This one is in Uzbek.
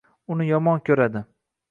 uni yomon ko‘radi.